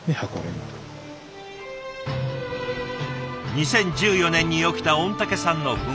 ２０１４年に起きた御嶽山の噴火。